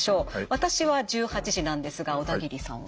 私は１８時なんですが小田切さんは？